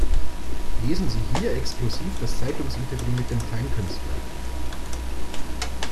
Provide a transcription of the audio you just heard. Lesen sie hier exklusiv das Zeitungsinterview mit dem Kleinkünstler!